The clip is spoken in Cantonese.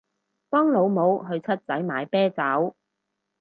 幫老母去七仔買啤酒